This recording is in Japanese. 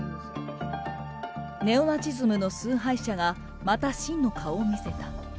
ネオナチズムの崇拝者が、また真の顔を見せた。